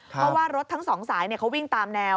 เพราะว่ารถทั้งสองสายเขาวิ่งตามแนว